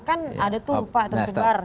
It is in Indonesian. kan ada tuh lupa tersebar